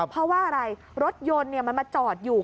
เพราะว่าอะไรรถยนต์มันมาจอดอยู่